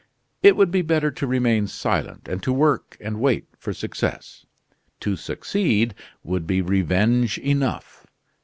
It would be better to remain silent, and to work and wait for success. To succeed would be revenge enough!